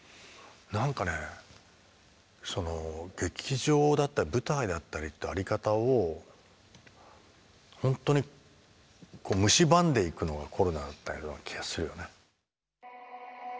何かねその劇場だったり舞台だったりっていう在り方を本当に蝕んでいくのがコロナだったような気がするよね。